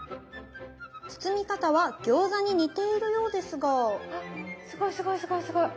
包み方は餃子に似ているようですがすごいすごいすごいすごい。